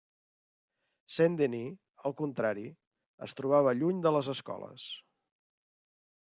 Saint-Denis, al contrari, es trobava lluny de les escoles.